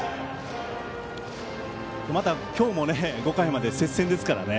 また今日も５回まで接戦ですからね。